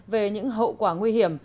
về những hậu quả nguy hiểm